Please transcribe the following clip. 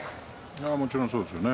もちろん、そうですね。